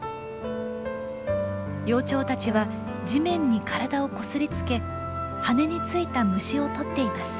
幼鳥たちは地面に体をこすりつけ羽についた虫を取っています。